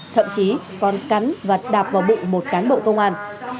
thậm chí còn cắn và đạp vào bụng một cán bộ công an